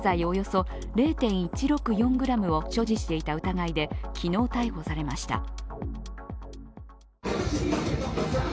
およそ０．１６４ｇを所持していた疑いで、昨日逮捕されました。